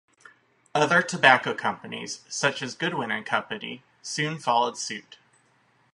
Other tobacco companies such as Goodwin and Company soon followed suit.